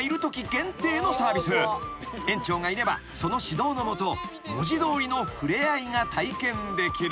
［園長がいればその指導の下文字通りの触れ合いが体験できる］